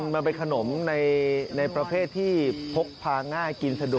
มันเป็นขนมในประเภทที่พกพาง่ายกินสะดวก